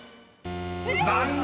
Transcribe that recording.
［残念！］